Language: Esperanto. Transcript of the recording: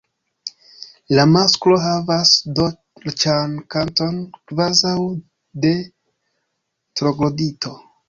La masklo havas dolĉan kanton kvazaŭ de Troglodito.